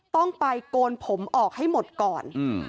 ต้องไปโกนผมออกให้หมดก่อน